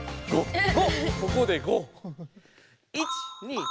ここで５！